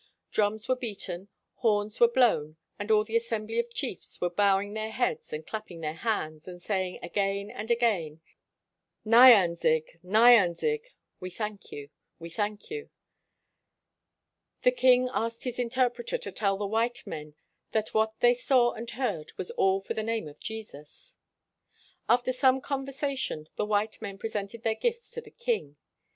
Drums were beaten, horns were blown, and all the assembly of chiefs were bowing their heads and clapping their hands, and saying again and again, "Nyan zig," "Nyanzig," "We thank you," "We thank you." The king asked his interpre ter to tell the white men that what they saw and heard was all for the name of Jesus. After some conversation, the white men presented their gifts to the king.